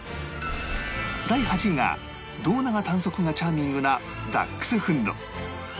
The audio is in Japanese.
第８位が胴長短足がチャーミングなダックスフンド